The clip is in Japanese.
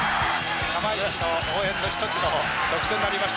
釜石の応援の一つの特徴になりました。